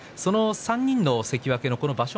３人の関脇の場所